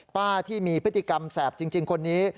ป้าที่มีพฤติกรรมแสบจริงคนนี้